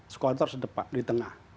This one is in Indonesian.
sekolah itu harus di depan di tengah